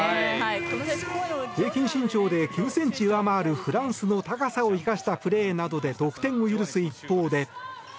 平均身長で９ｃｍ上回るフランスの高さを生かすプレーで得点を許す一方で。